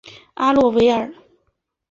阿洛维尔。